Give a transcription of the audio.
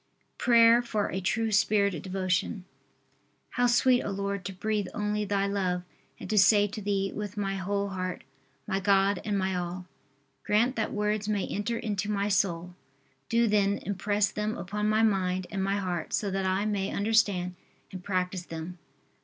PRAYER FOR A TRUE SPIRIT OF DEVOTION. How sweet, O Lord, to breathe only Thy love and to say to Thee with my whole heart: My God and my all! Grant that words may enter into my soul! do then, impress them upon my mind and my heart so that I may understand and practice them.